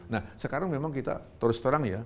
nah sekarang memang kita terus terang ya